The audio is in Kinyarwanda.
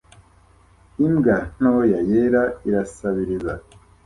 Imbwa ntoya yera irasabiriza